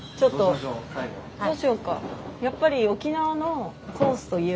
どうしようか？